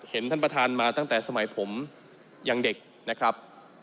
เห็นท่านประธานมาตั้งแต่สมัยผมยังเด็กนะครับ